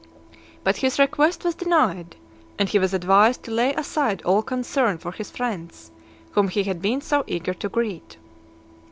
But his request was denied; and he was advised to lay aside all concern for his friends, whom he had been so eager to greet.